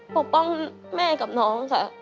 ปกป้องแม่กับน้องค่ะ